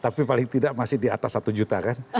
tapi paling tidak masih di atas satu juta kan